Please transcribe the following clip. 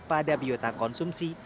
pada biota konsumsi